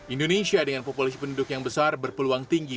indonesia dengan populasi penduduk yang besar berpeluang tinggi